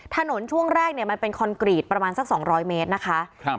ช่วงแรกเนี่ยมันเป็นคอนกรีตประมาณสักสองร้อยเมตรนะคะครับ